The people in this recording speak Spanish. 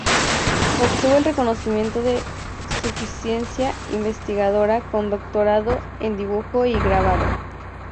Obtuvo el Reconocimiento de Suficiencia Investigadora con doctorado en Dibujo y Grabado.